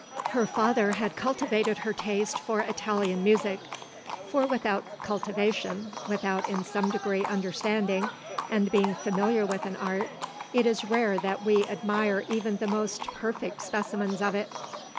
Her father had cultivated her taste for Italian music ; for without cultivation — without in some degree understanding and being familiar with an art, it is rare that we admire even the most perfect specimens of it.